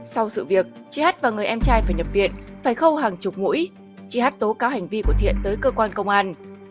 sau sự việc chị hát và người em trai phải nhập viện phải khâu hàng chục mũi chị hát tố cáo hành vi của thiện tới cơ quan công an